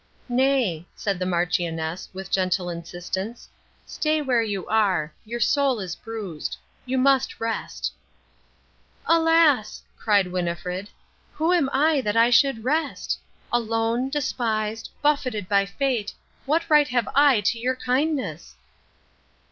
"Nay," said the Marchioness, with gentle insistence, "stay where you are. Your soul is bruised. You must rest." "Alas," cried Winnifred, "who am I that I should rest? Alone, despised, buffeted by fate, what right have I to your kindness?"